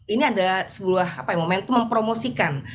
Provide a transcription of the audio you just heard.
ini adalah sebuah momentum mempromosikan